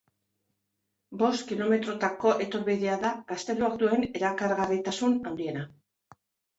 Bost kilometrotako etorbidea da gazteluak duen erakargarritasun handiena.